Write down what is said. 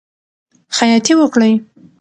خیاطی وکړئ.